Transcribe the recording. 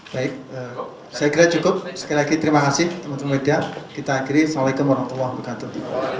baik saya kira cukup sekali lagi terima kasih teman teman media kita akhiri assalamualaikum warahmatullahi wabarakatuh